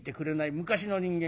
昔の人間